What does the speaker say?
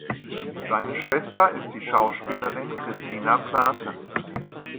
Seine Schwester ist die Schauspielerin Christina Plate.